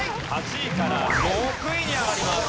８位から６位に上がります。